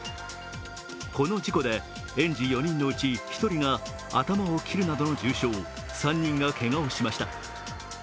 この事故で園児４人のうち１人が頭を切るなどの重傷、３人がけがをしました。